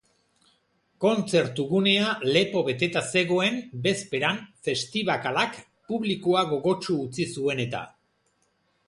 Kontzertu gunea lepo beteta zegoen bezperan festibakalak publikoa gogotsu utzi zuen eta.